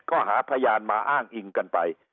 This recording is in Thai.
ก็หาพยานมาอ้างอิงกันไป